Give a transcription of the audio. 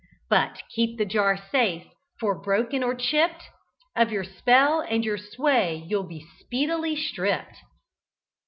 But keep the jar safe, for, broken or chipped, Of your spell and your sway you'll be speedily stripped."